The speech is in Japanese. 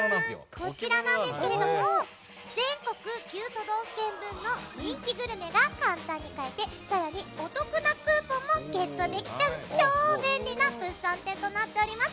こちらなんですけれども全国９都道府県分の人気グルメが簡単に買えて更にお得なクーポンもゲットできちゃう超便利な物産展となっております。